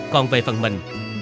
còn về phần mình